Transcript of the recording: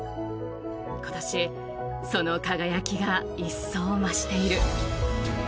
今年、その輝きがいっそう増している。